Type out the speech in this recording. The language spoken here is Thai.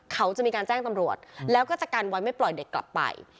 เขาจะมีการแจ้งตำรวจแล้วก็จะกันไว้ไม่ปล่อยเด็กกลับไป